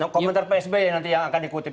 komentar pks ya nanti yang akan dikutip